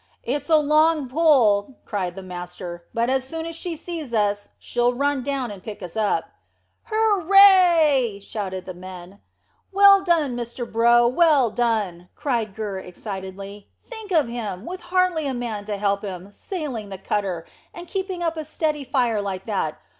"It's a long pull," cried the master; "but as soon as she sees us, she'll run down and pick us up." "Hurrah!" shouted the men. "Well done, Mr Brough, well done!" cried Gurr excitedly. "Think of him, with hardly a man to help him, sailing the cutter, and keeping up a steady fire like that.